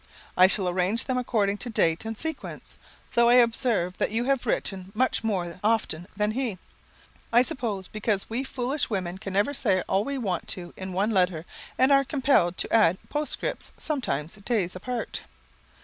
I shall arrange them according to date and sequence, though I observe that you have written much more often than he I suppose because we foolish women can never say all we want to in one letter and are compelled to add postscripts, sometimes days apart.